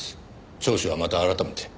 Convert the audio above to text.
聴取はまた改めて。